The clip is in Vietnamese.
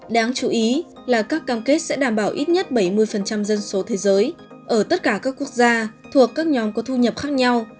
đáng chú ý là các cam kết sẽ đảm bảo ít nhất bảy mươi dân số thế giới ở tất cả các quốc gia thuộc các nhóm có thu nhập khác nhau